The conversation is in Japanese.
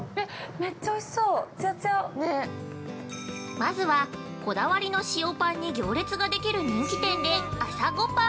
◆まずはこだわりの塩パンに行列ができる人気店で朝ごぱん。